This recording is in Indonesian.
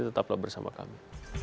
tetaplah bersama kami